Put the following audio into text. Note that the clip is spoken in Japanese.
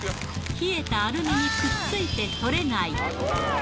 冷えたアルミにくっついて取れない。